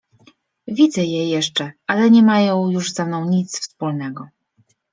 Widzę je jeszcze, ale nie mają już ze mną nic wspólnego.